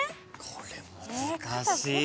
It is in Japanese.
これ難しい。